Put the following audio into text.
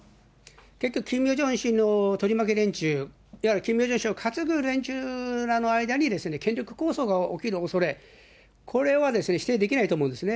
結局、キム・ヨジョン氏の取り巻き連中、いわゆるキム・ヨジョン氏を担ぐ連中の間に権力抗争が起きるおそれ、これは否定できないと思うんですね。